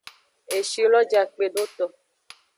Eshi lo ja kpedo eto.